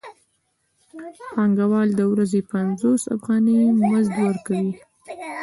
پانګوال د ورځې پنځوس افغانۍ مزد ورکوي